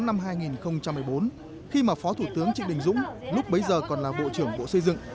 năm hai nghìn một mươi bốn khi mà phó thủ tướng trịnh đình dũng lúc bấy giờ còn là bộ trưởng bộ xây dựng